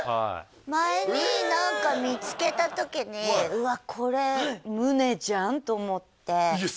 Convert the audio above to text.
前に何か見つけた時に「うわこれ崇じゃん」と思っていや